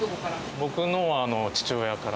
僕のは父親から。